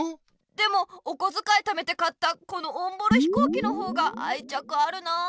でもおこづかいためて買ったこのオンボロひこうきの方があいちゃくあるなあ。